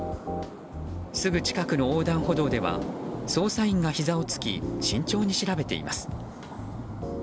すぐ近くの横断歩道では捜査員がひざをつき慎重に調べています。